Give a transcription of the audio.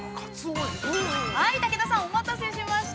◆武田さん、お待たせしました。